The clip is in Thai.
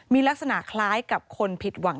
มีลักษณะคล้ายกับคนผิดหวัง